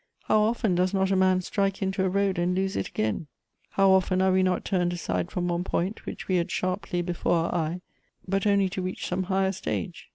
How often does not a man strike into a road and lose it again ! How often are we not turned aside from one point which we had sharply before our eye, but only to reach some higher sUge